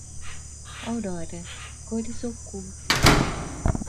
Aurora - Cores Ocultas